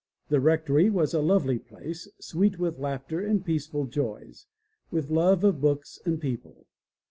The rectory was a lovely place, sweet with laughter and peaceful joys, with love of books and people.